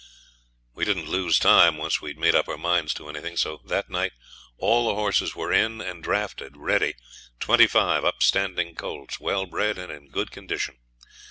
We didn't lose time once we'd made up our minds to anything. So that night all the horses were in and drafted ready twenty five upstanding colts, well bred, and in good condition.